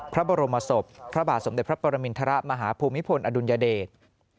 พระบรมศพพระบาทสมเด็จพระปรมินทรมาฮภูมิพลอดุลยเดช